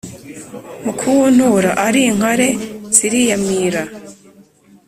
Mu kuwuntura ari inkare ziriyamira